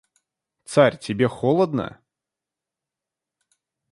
Царь тебе холодно?